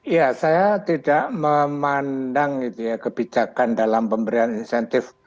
ya saya tidak memandang kebijakan dalam pemberian insentif